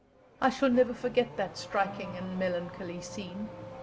I shall never forget that striking and melancholy scene.